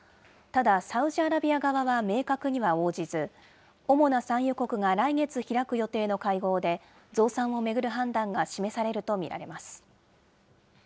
ただサウジアラビア側は明確には応じず、主な産油国が来月開く予定の会合で、増産を巡る判断が示されると見られます。